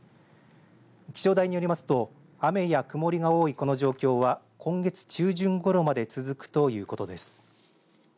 気象台によりますと雨や曇りが多いこの状況は今月中旬ごろまで続くということです。